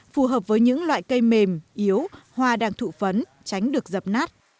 phù hợp với những loại cây mềm yếu hoa đang thụ phấn tránh được dập nát